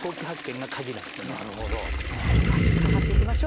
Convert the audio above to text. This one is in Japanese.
はい詳しく伺っていきましょう。